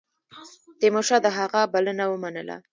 تیمورشاه د هغه بلنه ومنله.